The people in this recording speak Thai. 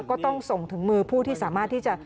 ก็ต้องส่งถึงมือผู้ที่สามารถที่จะ